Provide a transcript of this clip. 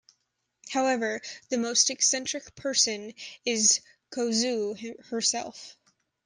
However, the most eccentric person is Kozue herself.